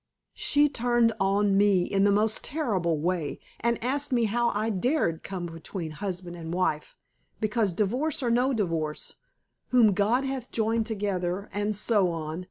She turned on me in the most terrible way, and asked me how I dared to come between husband and wife, because divorce or no divorce, whom God hath joined together, and so on.